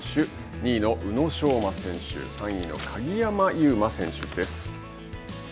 ２位の宇野昌磨選手３位の鍵山優真選手です。